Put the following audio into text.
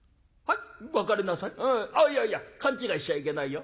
あっいやいや勘違いしちゃいけないよ。